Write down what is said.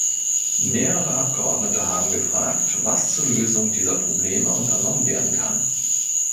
Mehrere Abgeordnete haben gefragt, was zur Lösung dieser Probleme unternommen werden kann.